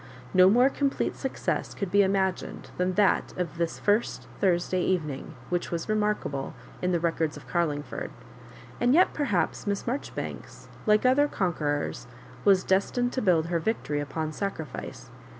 No more complete success could be imagined than that of this first Thursday Even ing, which was remarkable in the records of Garlingford ; and yet perhaps Miss Maijoribanks, like other conquerors, was destined to build her victory upon sacrifice.